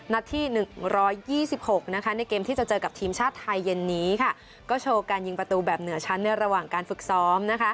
ที่๑๒๖ในเกมที่จะเจอกับทีมชาติไทยเย็นนี้ก็โชว์การยิงประตูแบบเหนือชั้นในระหว่างการฝึกซ้อม